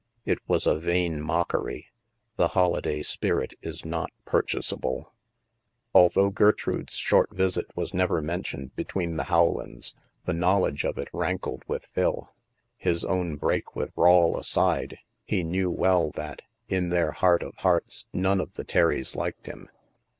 It was a vain mockery. The holiday spirit is not purchasable. Although Gertrude's short visit was never men tioned between the Howlands, the knowledge of it rankled with Phil. His own break with Rawle aside, he knew well that, in their heart of hearts, none of the Terrys liked him.